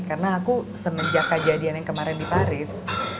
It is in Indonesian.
karena aku semenjak kejadian yang kemarin di paris